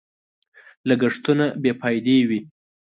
لګښتونه بې فايدې وي.